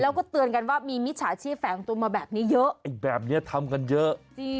แล้วก็เตือนกันว่ามีมิจฉาชีพแฝงตัวมาแบบนี้เยอะไอ้แบบนี้ทำกันเยอะ